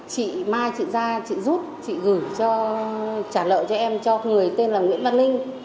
chị mai chị gia chị rút chị gửi cho trả lợi cho em cho người tên là nguyễn văn linh